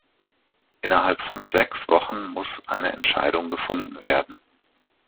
Innerhalb von sechs Wochen muss eine Entscheidung gefunden werden.